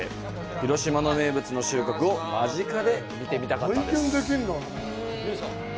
広島名物の収穫を間近で見てみたかったんです。